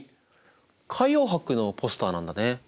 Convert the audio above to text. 海洋博のポスターなんだね。